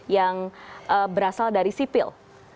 yang berasal dari sipil